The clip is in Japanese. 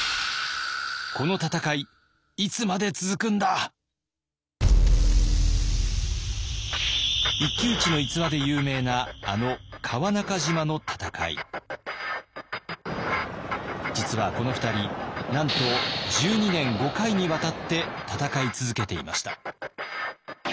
この戦い一騎打ちの逸話で有名なあの実はこの２人なんと１２年５回にわたって戦い続けていました。